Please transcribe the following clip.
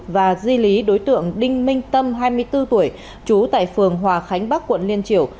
và di lý đối tượng đinh minh tâm hai mươi bốn tuổi trú tại phường hòa khánh bắc quận liên triều